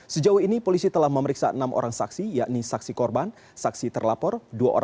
sejauh ini polisi telah memeriksa enam orang saksi yakni saksi korban saksi terlapor